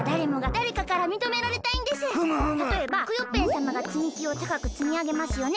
たとえばクヨッペンさまがつみきをたかくつみあげますよね？